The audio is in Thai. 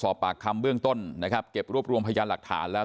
สอบปากคำเบื้องต้นนะครับเก็บรวบรวมพยานหลักฐานแล้ว